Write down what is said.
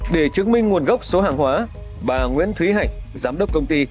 để chứng minh nguồn gốc số hàng hóa bà nguyễn thúy hạnh giám đốc công ty